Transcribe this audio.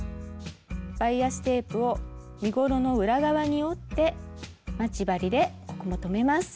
バイアステープを身ごろの裏側に折って待ち針でここも留めます。